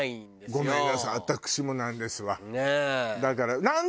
ごめんなさい私もなんですわ。